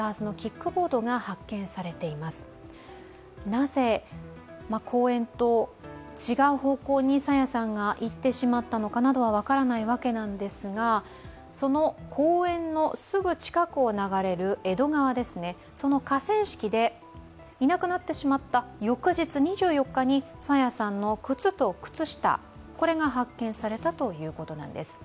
なぜ公園と違う方向に朝芽さんが行ってしまったのかなどは分からないわけなんですがその公園のすぐ近くを流れる江戸川の河川敷で、いなくなってしまった翌日、２４日に朝芽さんの靴と靴下が発見されたということなんです。